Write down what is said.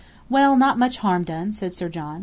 "Well, not much harm done," said Sir John.